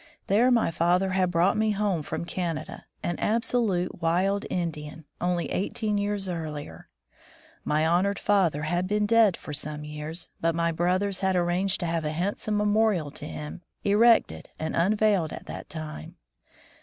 There my father had brought me home from Canada, an absolute wild Indian, only eighteen years earlier! My honored father had been dead for some years, but my brothers had arranged to have a handsome memorial to him erected and unveiled at that time.